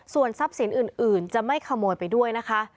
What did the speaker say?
ส่วนทรัพย์สินอื่นจะไม่ขโมยไปด้วยนะคะ